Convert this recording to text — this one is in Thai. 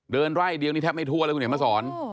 เดินไร่เดียวนี้แทบไม่ทัวร์เลยคุณเห็นไหมสอน